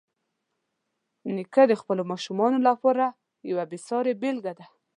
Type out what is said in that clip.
نیکه د خپلو ماشومانو لپاره یوه بېسارې بېلګه ده.